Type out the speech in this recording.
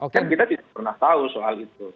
kan kita tidak pernah tahu soal itu